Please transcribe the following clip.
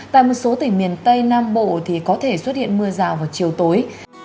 tại một số tỉnh miền tây nam bộ thì có thể xuất hiện mưa rào vào chiều tối